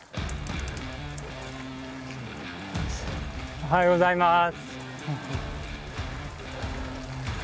おはようございます。